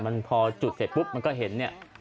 มันพอจุดเสร็จปุ๊บมันก็เห็นเนี่ย